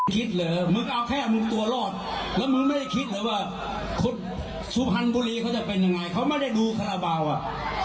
คิดเหรอมึงเอาแค่มึงตัวรอดแล้วมึงไม่ได้คิดเลยว่าคนสุพรรณบุรีเขาจะเป็นยังไงเขาไม่ได้ดูคาราบาลอ่ะ